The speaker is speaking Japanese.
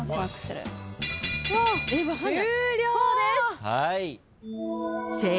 終了です。